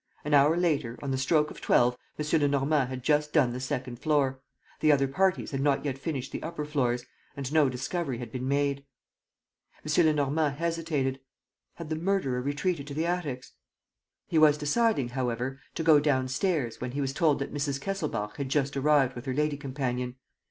An hour later, on the stroke of twelve, M. Lenormand had just done the second floor; the other parties had not yet finished the upper floors; and no discovery had been made. M. Lenormand hesitated: had the murderer retreated to the attics? He was deciding, however, to go downstairs, when he was told that Mrs. Kesselbach had just arrived with her lady companion.